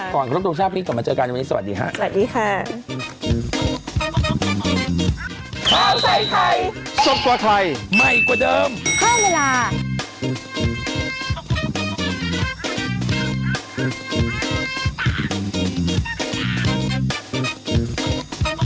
ก่อนครบโรคชาติพรุ่งนี้กลับมาเจอกันในวันนี้สวัสดีค่ะ